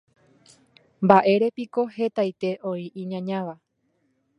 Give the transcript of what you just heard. Mba'érepiko hetaite oĩ iñañáva.